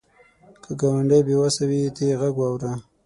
که ګاونډی بې وسه وي، ته یې غږ واوره